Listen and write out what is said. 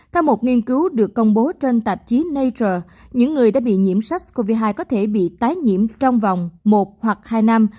theo một nghiên cứu được công bố trên tạp chí nature những người đã bị nhiễm sars cov hai có thể bị tái nhiễm trong vòng một hoặc hai năm